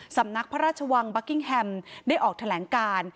สำนักพระราชวังบัคกิ้งแฮมได้ออกแถลงการ